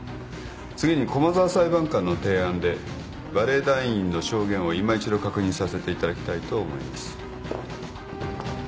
次に駒沢裁判官の提案でバレエ団員の証言をいま一度確認させていただきたいと思います。